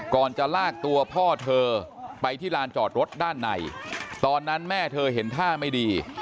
จะลากตัวพ่อเธอไปที่ลานจอดรถด้านในตอนนั้นแม่เธอเห็นท่าไม่ดี